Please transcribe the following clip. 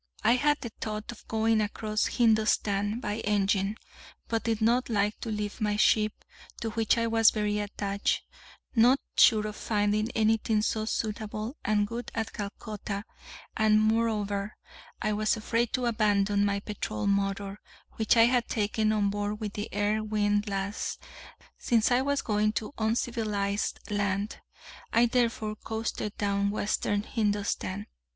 I had the thought of going across Hindustan by engine, but did not like to leave my ship, to which I was very attached, not sure of finding anything so suitable and good at Calcutta; and, moreover, I was afraid to abandon my petrol motor, which I had taken on board with the air windlass, since I was going to uncivilised land. I therefore coasted down western Hindustan.